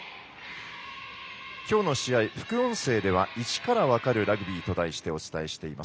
きょうの試合、副音声では「イチからわかるラグビー」と題してお伝えしています。